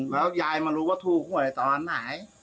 แล้วยายมารู้ว่าถูเอาไว้ต่อไหน